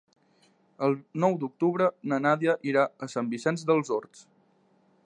El nou d'octubre na Nàdia irà a Sant Vicenç dels Horts.